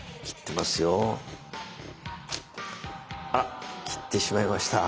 あら切ってしまいました。